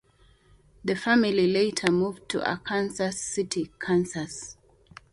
The family later moved to Arkansas City, Kansas.